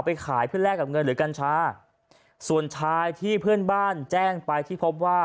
ไปขายเพื่อแลกกับเงินหรือกัญชาส่วนชายที่เพื่อนบ้านแจ้งไปที่พบว่า